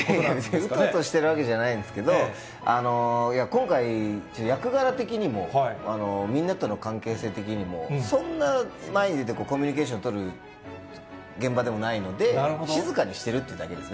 うとうとしてるわけじゃないんですけど、いや、今回、役柄的にもみんなとの関係性的にも、そんな前に出てコミュニケーション取る現場でもないので、静かにしているというだけですね。